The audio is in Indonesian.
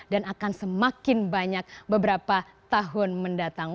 dan akan semakin banyak beberapa tahun mendatang